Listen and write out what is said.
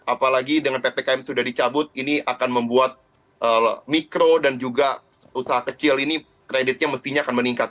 apalagi dengan ppkm sudah dicabut ini akan membuat mikro dan juga usaha kecil ini kreditnya mestinya akan meningkat